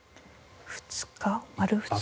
２日丸２日。